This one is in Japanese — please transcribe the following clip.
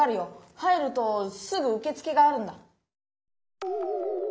入るとすぐうけつけがあるんだ。